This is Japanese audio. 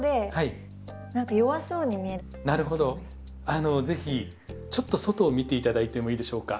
あの是非ちょっと外を見て頂いてもいいでしょうか。